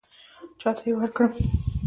چاته یې ورکړم.